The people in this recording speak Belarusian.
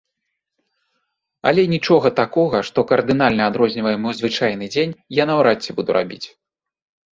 Але нічога такога, што кардынальна адрознівае мой звычайны дзень, я наўрад ці буду рабіць.